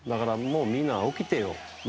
みんな起きてよ